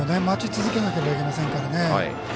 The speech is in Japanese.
待ち続けなければいけませんから。